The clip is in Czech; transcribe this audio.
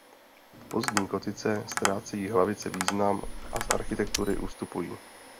V pozdní gotice ztrácejí hlavice význam a z architektury ustupují.